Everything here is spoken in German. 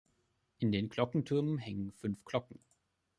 In den Glockentürmen hängen fünf Glocken.